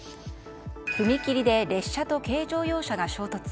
踏切で列車と軽乗用車が衝突。